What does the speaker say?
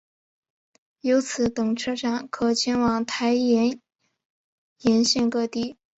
由此等车站可前往台铁沿线各地。